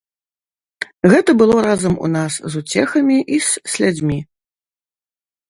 Гэта было разам у нас з уцехамі і з слязьмі.